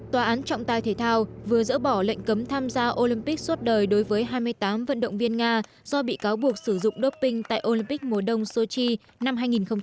tòa án trọng tài thể thao vừa dỡ bỏ lệnh cấm tham gia olympic suốt đời đối với hai mươi tám vận động viên nga do bị cáo buộc sử dụng doping tại olympic mùa đông sochi năm hai nghìn một mươi tám